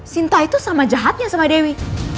sinta itu sama jahatnya sama dewi